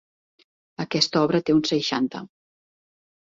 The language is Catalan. Aquesta obra té uns seixanta.